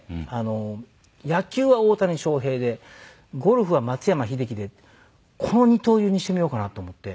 野球は大谷翔平でゴルフは松山英樹でこの二刀流にしてみようかなと思って。